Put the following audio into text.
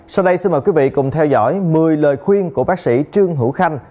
sau đây xin mời quý vị cùng theo dõi một mươi lời khuyên của bác sĩ trương hữu khanh